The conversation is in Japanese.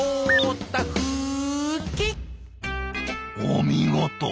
お見事！